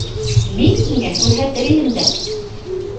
Мин һиңә күрһәтер инем дә...